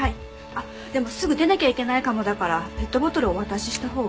あっでもすぐ出なきゃいけないかもだからペットボトルお渡ししたほうが。